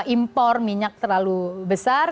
impor minyak terlalu besar